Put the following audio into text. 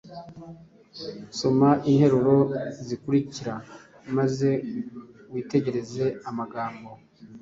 Soma interuro zikurikira maze witegereze amagambo